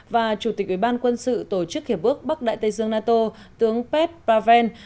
và chủ tịch ủy ban quân sự tổ chức hiệp bước bắc đại tây dương nato tướng pet praven